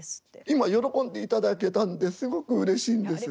今喜んでいただけたんですごくうれしいんです。